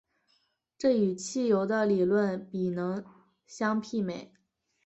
这与汽油的理论比能相媲美。